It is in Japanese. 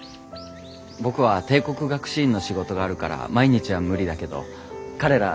僕は帝国学士院の仕事があるから毎日は無理だけど彼ら大学院の学生。